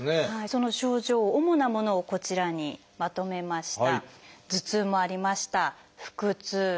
その症状主なものをこちらにまとめました。